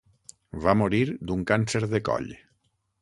Va morir d'un càncer de coll.